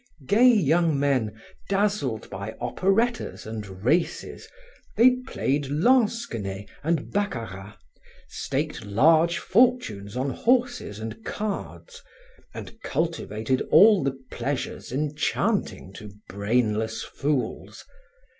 Gay young men dazzled by operettas and races, they played lansquenet and baccarat, staked large fortunes on horses and cards, and cultivated all the pleasures enchanting to brainless fools.